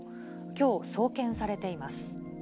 きょう送検されています。